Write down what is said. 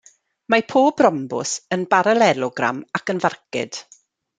Mae pob rhombws yn baralelogram ac yn farcud.